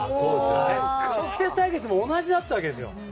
直接対決も同じだったわけです。